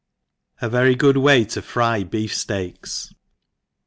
71 A 'oery go$d v>ay to fry Beep Steaks..